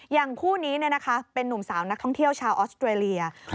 อย่างผู้นี้นะคะเป็นนุ่มสาวนักท่องเที่ยวชาวออสเตอรียา